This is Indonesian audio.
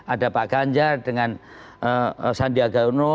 ada pak ganjar dengan sandiaga uno